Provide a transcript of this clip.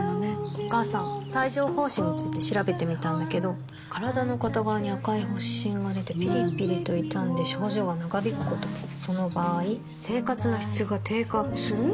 お母さん帯状疱疹について調べてみたんだけど身体の片側に赤い発疹がでてピリピリと痛んで症状が長引くこともその場合生活の質が低下する？